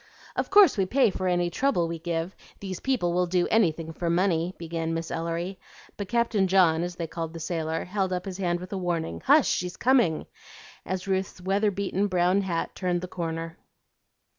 "Of course we pay for any trouble we give; these people will do anything for money," began Miss Ellery; but Captain John, as they called the sailor, held up his hand with a warning, "Hush! she's coming," as Ruth's weather beaten brown hat turned the corner.